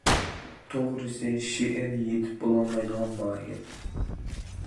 توغرىسى، شېئىر، يېتىپ بولالمايدىغان ماھىيەت.